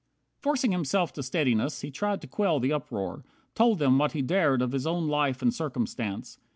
51 Forcing himself to steadiness, he tried To quell the uproar, told them what he dared Of his own life and circumstance.